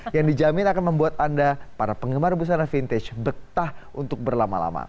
yang dijamin akan membuat anda para penggemar busana vintage betah untuk berlama lama